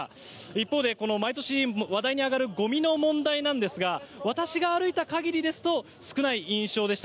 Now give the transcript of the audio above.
一方で、毎年話題に上がるゴミの問題なんですが私が歩いた限りですと少ない印象でした。